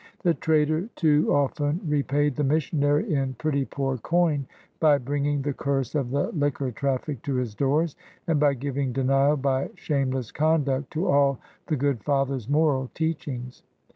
The trader too often repaid the missionary in pretty poor coin by bringing the curse of the liquor traffic to his doors, and by giving denial by shame less conduct to all the good father's moral teach ings.